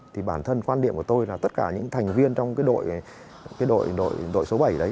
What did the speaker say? thì bản thân quan điểm của tôi là tất cả những thành viên trong đội số bảy đấy